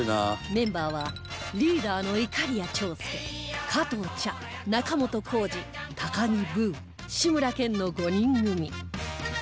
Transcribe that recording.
メンバーはリーダーのいかりや長介加藤茶仲本工事高木ブー志村けんの５人組